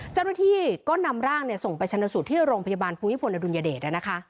เจ้าหน้าที่ก็นำร่างส่งไปชนสูตรที่โรงพยาบาลภูมิพลอดุลยเดช